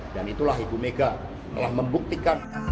dan itulah ibu mega telah membuktikan